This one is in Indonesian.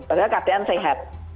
padahal keadaan sehat